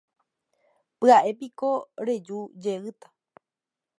Pya'épiko reju jeýta.